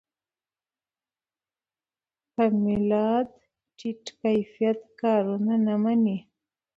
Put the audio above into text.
پملا د ټیټ کیفیت کارونه نه مني.